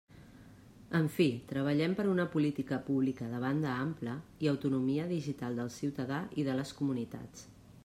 En fi, treballem per una política pública de banda ampla i autonomia digital del ciutadà i de les comunitats.